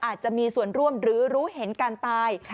อาจจะมีส่วนร่วมหรือรู้เห็นการตาย